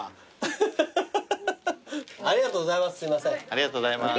ありがとうございます。